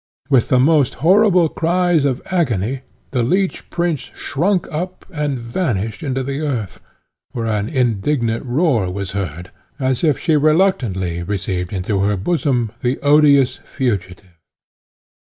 With the most horrible cries of agony, the Leech Prince shrunk up, and vanished into the earth, while an indignant roar was heard, as if she reluctantly received into her bosom the odious fugitive.